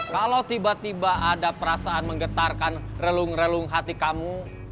kalau tiba tiba ada perasaan menggetarkan relung relung hati kamu